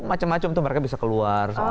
itu macam macam tuh mereka bisa keluar gitu